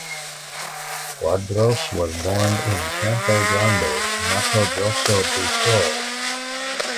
Quadros was born in Campo Grande, Mato Grosso do Sul.